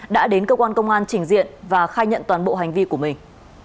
đã đến cơ quan công an trình diện và khai nhận toàn bộ hành vi của mình